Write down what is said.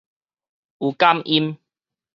有感音